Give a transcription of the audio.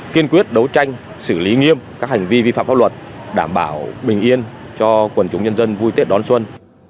kiên quyết đấu tranh xử lý nghiêm các hành vi vi phạm pháp luật đảm bảo bình yên cho quần chúng nhân dân vui tết đón xuân